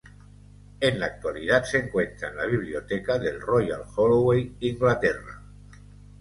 En la actualidad se encuentra en la biblioteca del Royal Holloway, Inglaterra.